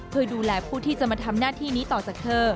เพื่อดูแลผู้ที่จะมาทำหน้าที่นี้ต่อจากเธอ